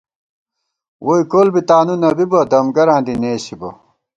ووئی کول بی تانُو نہ بِبہ، دم گراں دی نېسِبہ